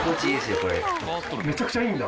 めちゃくちゃいいんだ？